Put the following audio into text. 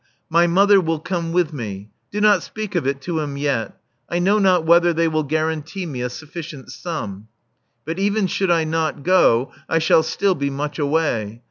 My mother will come with me. Do not speak of it to him yet: I know not whether they will guarantee me a sufficient sum. But even should I not go, I shall still be much away.